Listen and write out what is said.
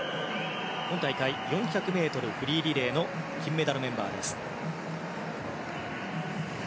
今大会４００ｍフリーリレーの金メダルメンバーです。